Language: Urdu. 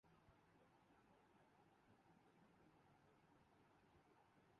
جو سے سال کا آخر کا چھٹی اور تحائف دینا کا سیزن میں مسابقت شدید ہونا رہنا ہونا